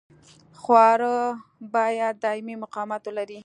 خاوره باید دایمي مقاومت ولري